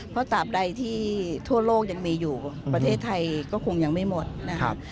เพราะตราบใดที่ทั่วโลกยังมีอยู่ประเทศไทยก็คงยังไม่หมดนะครับ